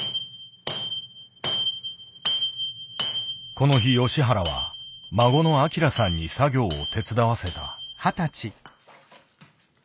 この日吉原は孫の慧さんに作業を手伝わせた。